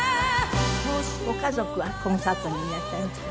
ご家族はコンサートにいらっしゃいました？